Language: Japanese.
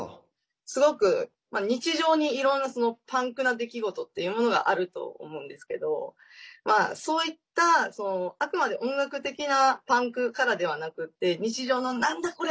すごく日常に、いろんなパンクな出来事っていうものがあると思うんですけどそういった、あくまで音楽的なパンクからではなくって日常のなんだこれ！